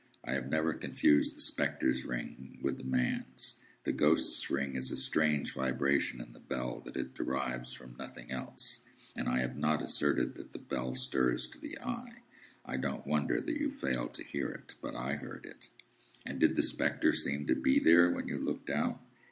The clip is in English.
I have never confused the spectre's ring with the man's. The ghost's ring is a strange vibration in the bell that it derives from nothing else, and I have not asserted that the bell stirs to the eye. I don't wonder that you failed to hear it. But I heard it." "And did the spectre seem to be there, when you looked out?"